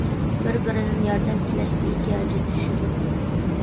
بىر - بىرىدىن ياردەم تىلەشكە ئېھتىياجى چۈشىدۇ.